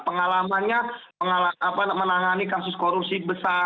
pengalamannya menangani kasus korupsi besar